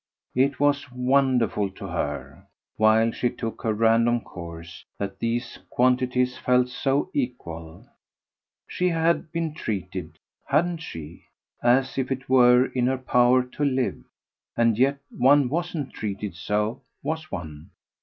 It was wonderful to her, while she took her random course, that these quantities felt so equal: she had been treated hadn't she? as if it were in her power to live; and yet one wasn't treated so was one?